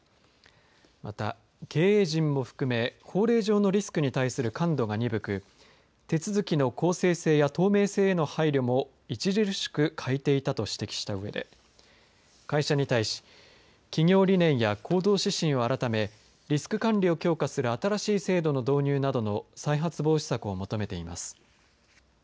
また、経営陣も含め法令上のリスクに対する感度が鈍く手続きの公正性や透明性の配慮も著しく欠いていたと指摘したうえで会社に対し企業理念や行動指針を改めリスク管理を強化する新しい制度の導入などの再発防止策を求めています。